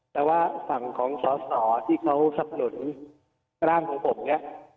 แต่ว่าฝั่งของสอสอที่เขาสับสนุนร่างของผมเนี่ย